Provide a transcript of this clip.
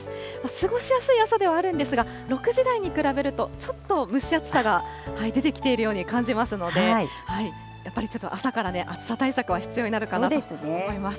過ごしやすい朝ではあるんですが、６時台に比べるとちょっと蒸し暑さが出てきているように感じますので、やっぱりちょっと朝からね、暑さ対策は必要になるかなと思います。